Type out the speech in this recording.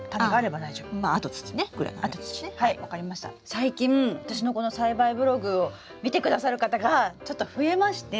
最近私のこの栽培ブログを見てくださる方がちょっと増えまして。